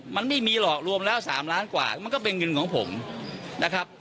มันไม่มีหรอกรวมแล้ว๓ล้านกว่ามันก็เป็นเงินของผมนะครับ